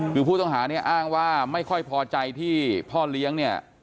คือผู้ต้องหาเนี่ยอ้างว่าไม่ค่อยพอใจที่พ่อเลี้ยงเนี่ย